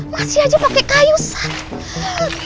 masih aja pakai kayu sate